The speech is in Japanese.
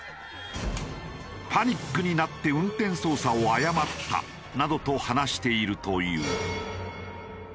「パニックになって運転操作を誤った」などと話しているという。